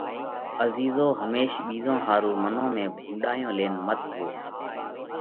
عزيرو ھميش ٻِيزون ۿارُو منون ۾ ڀونڏايون لينَ مت وو۔